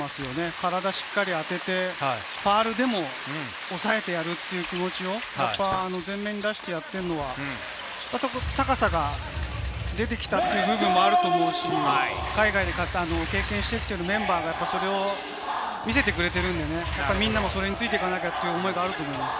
体を当てて、ファウルでも抑えてやるという気持ち、前面に出してやっているのは、あとは高さが出てきたという部分もありますし、海外で経験してきたメンバーが、それを見せてきてくれているので、みんながついていかなきゃという思いがあると思います。